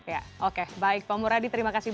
ya oke baik pemuradi terima kasih